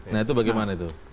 nah itu bagaimana itu